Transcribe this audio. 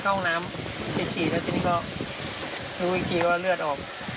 ขยับอีกสิ่งกันก็รู้อีกทีว่าเลือดออก